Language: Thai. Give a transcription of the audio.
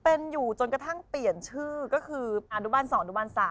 เป็นอยู่จนกระทั่งเปลี่ยนชื่อก็คืออนุบัน๒อนุบัน๓